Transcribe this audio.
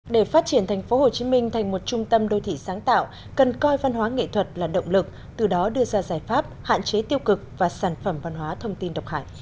để phát triển thành phố hồ chí minh thành một trung tâm đô thị sáng tạo cần coi văn hóa nghệ thuật là động lực từ đó đưa ra giải pháp hạn chế tiêu cực và sản phẩm văn hóa thông tin độc hải